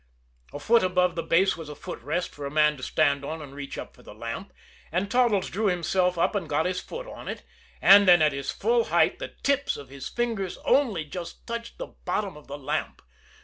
A foot above the base was a footrest for a man to stand on and reach up for the lamp, and Toddles drew himself up and got his foot on it and then at his full height the tips of his fingers only just touched the bottom of the lamp.